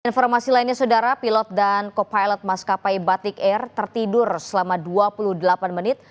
informasi lainnya saudara pilot dan co pilot maskapai batik air tertidur selama dua puluh delapan menit